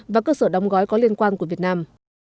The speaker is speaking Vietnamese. và cơ sở đóng gói có liên quan của việt nam